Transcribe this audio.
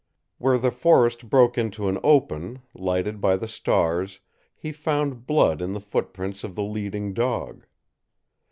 Where the forest broke into an open, lighted by the stars, he found blood in the footprints of the leading dog.